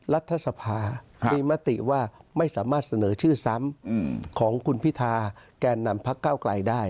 รัฐสภามีมติว่าไม่สามารถเสนอชื่อซ้ำของคุณพิธาแก่นำพักเก้าไกลได้